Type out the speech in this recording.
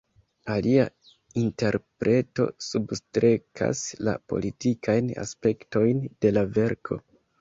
Alia interpreto substrekas la politikajn aspektojn de la verko.